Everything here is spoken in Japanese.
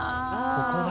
ここだ。